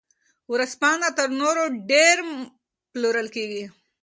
دا ورځپاڼه تر نورو ډېر پلورل کیږي.